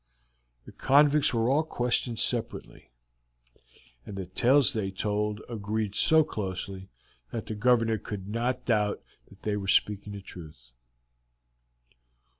The convicts were all questioned separately, and the tales they told agreed so closely that the Governor could not doubt that they were speaking the truth.